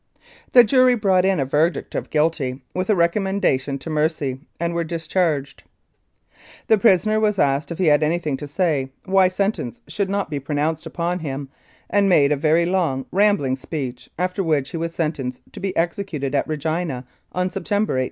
The jury brought in a verdict of guilty, with a recommendation to mercy, and were discharged. The prisoner was asked if he had anything to say why sentence should not be pronounced upon him, and made a very long, rambling speech, after which he was sentenced to be executed at Regina on September 18.